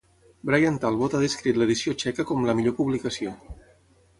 Bryan Talbot ha descrit l'edició txeca com "la millor publicació".